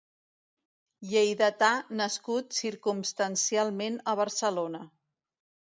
Lleidatà nascut circumstancialment a Barcelona.